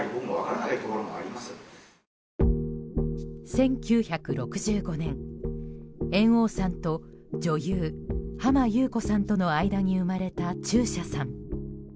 １９６５年、猿翁さんと女優・浜木綿子さんとの間に生まれた中車さん。